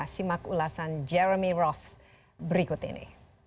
simak ulasan jeremy rov berikut ini